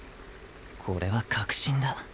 これは確信だ。